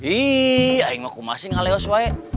ih ayang aku masih gak lewat suai